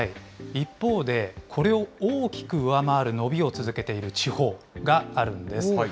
一方で、これを大きく上回る伸びを続けている地方があるんです。